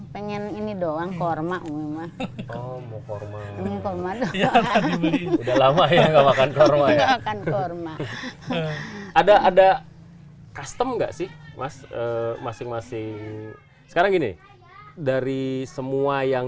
pengen ini doang korma korma ada ada custom enggak sih mas masing masing sekarang ini dari semua yang